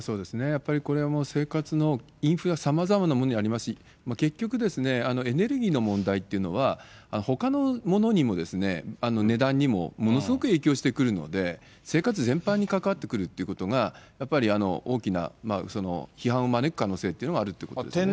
やっぱりこれは生活のインフラ、さまざまなものになりますし、結局、エネルギーの問題っていうのは、ほかのものにも、値段にもものすごく影響してくるので、生活全般に関わってくるというのが、やっぱり大きな批判を招く可能性があるということですね。